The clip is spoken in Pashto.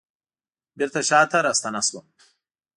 بیرته شاته راستنه شوم